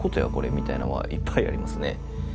みたいなんはいっぱいありますね。